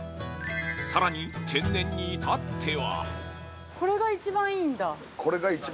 さらに、天然に至っては。